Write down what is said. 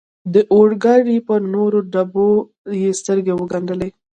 د اورګاډي پر نورو ډبو یې سترګې و ګنډلې.